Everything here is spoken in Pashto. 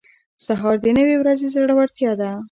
سهار د نوې ورځې زړورتیا ده.